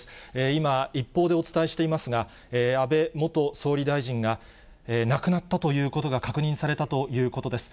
今、一報でお伝えしていますが、安倍元総理大臣が、亡くなったということが確認されたということです。